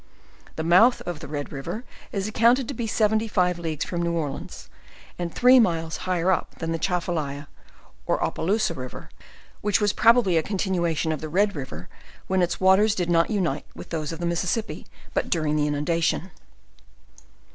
The mouth of the Red river is accounted to be seventy five leagues from New Orleans, and three miles higher up than the Chafalaya, or Opelpusa river, which was probably a con tinuation of the Red river when its waters did not unite with those of the Mississippi, but during the inundation.